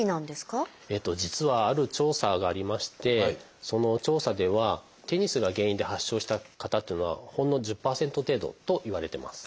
えっと実はある調査がありましてその調査ではテニスが原因で発症した方っていうのはほんの１０％程度といわれてます。